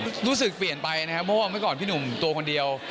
รู้สึกเปลี่ยนไปนะครับเพราะว่าเมื่อก่อนพี่หนุ่มตัวคนเดียว